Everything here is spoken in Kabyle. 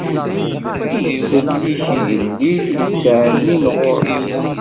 Ittsellik igellil yettɛennin ɣur-s.